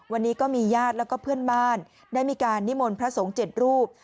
วันนี้ก็มีญาติแล้วก็เพื่อนบ้านได้มีการนิมนต์พระสงฆ์๗รูป